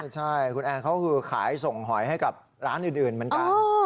ใช่คุณแอนเขาคือขายส่งหอยให้กับร้านอื่นเหมือนกัน